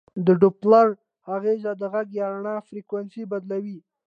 د ډوپلر اغېز د غږ یا رڼا فریکونسي بدلوي.